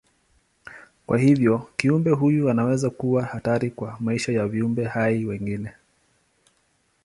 Kwa hivyo kiumbe huyu inaweza kuwa hatari kwa maisha ya viumbe hai wengine.